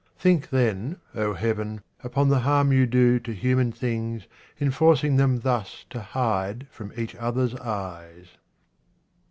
Think then, O Heaven, upon the harm you do to human things in forcing them thus to hide from each other's eyes.